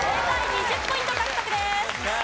２０ポイント獲得です。